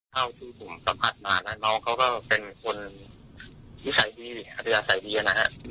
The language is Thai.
เมื่อที่ผมสัมผัสมาน้องเขาก็เป็นคนที่ใส่ดีอาจจะใส่ดีนะครับ